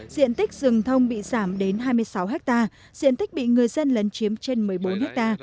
diện tích rừng thông bị giảm đến hai mươi sáu ha diện tích bị người dân lấn chiếm trên một mươi bốn ha